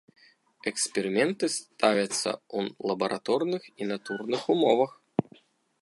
Эксперыменты ставяцца ў лабараторных і натурных умовах.